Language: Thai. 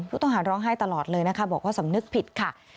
ร้องไห้ตลอดเลยนะคะบอกว่าสำนึกผิดค่ะ